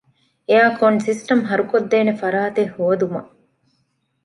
އެއާރކޯން ސިސްޓަމް ހަރުކޮށްދޭނެ ފަރާތެއް ހޯދުމަށް